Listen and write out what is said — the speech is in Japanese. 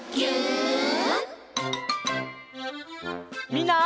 みんな。